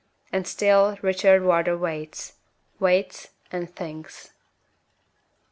And still Richard Wardour waits waits and thinks.